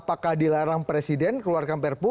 apakah dilarang presiden keluarkan perpu